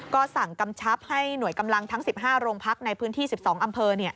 ก็สั่งกำชับให้หน่วยกำลังทั้ง๑๕โรงพักในพื้นที่๑๒อำเภอ